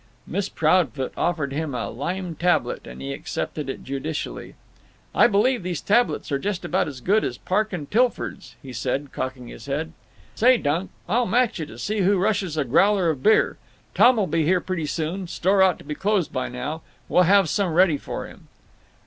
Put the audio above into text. Miss Proudfoot offered him a lime tablet, and he accepted it judicially. "I believe these tablets are just about as good as Park & Tilford's," he said, cocking his head. "Say, Dunk, I'll match you to see who rushes a growler of beer. Tom'll be here pretty soon—store ought to be closed by now. We'll have some ready for him."